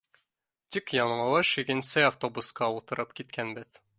Тик яңылыш икенсе автобусҡа ултырып киткәнбеҙ.